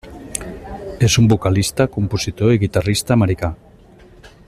És un vocalista, compositor, i guitarrista Americà.